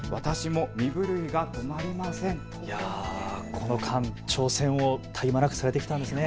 この間、挑戦を絶え間なくしてきたんですね。